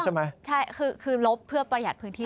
ใช่คือลบเพื่อประหยัดพื้นที่